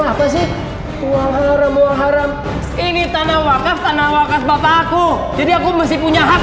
apa sih uang haram muharam ini tanah wakaf tanah wakaf bapak aku jadi aku masih punya hak